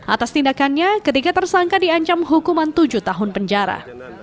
atas tindakannya ketiga tersangka diancam hukuman tujuh tahun penjara